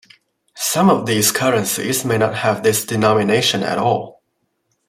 Some of these currencies may not have this denomination at all.